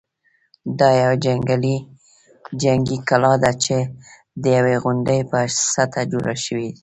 دا یوه جنګي کلا ده چې د یوې غونډۍ په سطحه جوړه شوې.